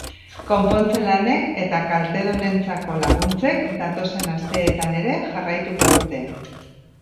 Konpontze lanek eta kaltedunentzako laguntzek datozen asteetan ere jarraituko dute.